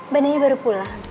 bae naya baru pulang